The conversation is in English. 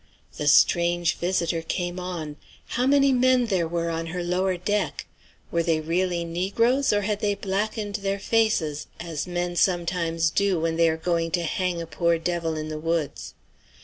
The strange visitor came on. How many men there were on her lower deck! Were they really negroes, or had they blackened their faces, as men sometimes do when they are going to hang a poor devil in the woods?